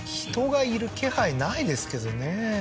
人がいる気配ないですけどね